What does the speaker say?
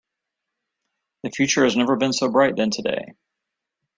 The future has never been so bright than today.